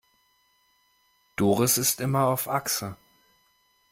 Doris ist immer auf Achse.